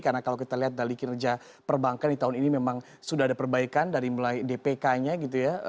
karena kalau kita lihat dari kinerja perbankan di tahun ini memang sudah ada perbaikan dari mulai dpk nya gitu ya